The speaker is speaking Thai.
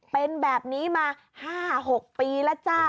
เป็นแบบนี้มา๕๖ปีแล้วจ้า